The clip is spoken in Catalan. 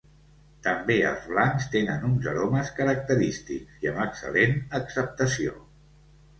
També els blancs tenen uns aromes característics i amb excel·lent acceptació.